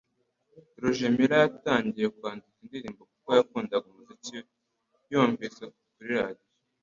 Roger Miller yatangiye kwandika indirimbo kuko yakundaga umuziki yumvise kuri radio